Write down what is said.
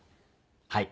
はい。